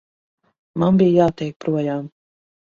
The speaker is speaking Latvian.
Man bija jātiek projām.